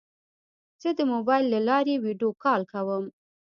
زه د موبایل له لارې ویدیو کال کوم.